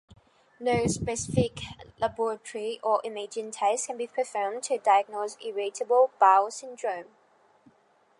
No specific laboratory or imaging test can be performed to diagnose irritable bowel syndrome.